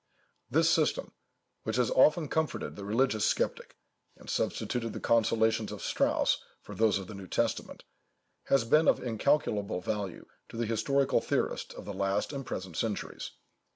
This system—which has often comforted the religious sceptic, and substituted the consolations of Strauss for those of the New Testament—has been of incalculable value to the historical theorists of the last and present centuries.